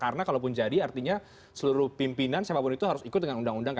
karena kalaupun jadi artinya seluruh pimpinan siapapun itu harus ikut dengan undang undangnya